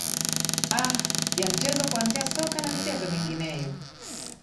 aa ya mchezo kuanzia soka na michezo mingineyo